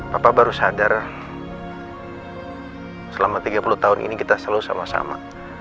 bapak baru sadar selama tiga puluh tahun ini kita selalu sama sama